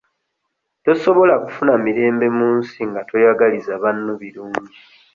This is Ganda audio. Tosobola kufuna mirembe mu nsi nga toyagaliza banno birungi.